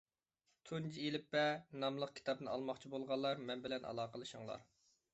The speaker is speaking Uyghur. «تۇنجى ئېلىپبە» ناملىق كىتابنى ئالماقچى بولغانلار مەن بىلەن ئالاقىلىشىڭلار.